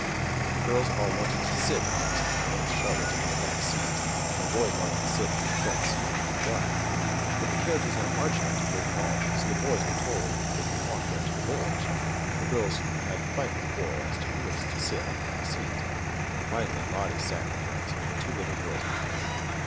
The girls all wanted to sit next Aunt Charlotte on the back seat, and the boys wanted to sit on the front seat and help drive. But the carriage was not large enough to hold all, so the boys were told they could walk down to the village. The girls had quite a quarrel as to who was to sit on the back seat, but finally Lottie sat in front and the two little girls behind.